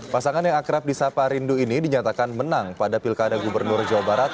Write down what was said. pasangan yang akrab di sapa rindu ini dinyatakan menang pada pilkada gubernur jawa barat